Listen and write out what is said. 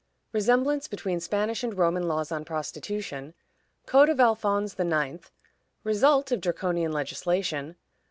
Resemblance between Spanish and Roman Laws on Prostitution. Code of Alphonse IX. Result of Draconian Legislation.